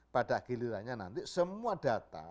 pada gilirannya nanti semua data